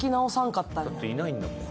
だっていないんだもん。